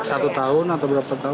satu tahun atau berapa tahun